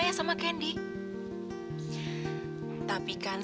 jam segini baru pulang